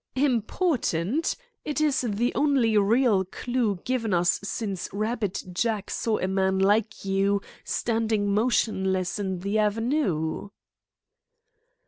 "Important! It is the only real clue given us since 'Rabbit Jack' saw a man like you standing motionless in the avenue."